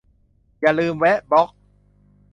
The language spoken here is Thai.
อย่าลืมแวะบล็อก